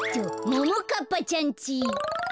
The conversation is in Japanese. ももかっぱちゃんち。